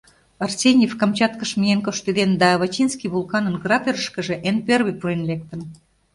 Арсеньев Камчаткыш миен коштеден да Авачинский вулканын кратерышкыже эн первый пурен лектын.